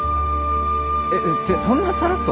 えってそんなさらっと？